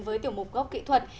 với tiểu mục gốc kỹ thuật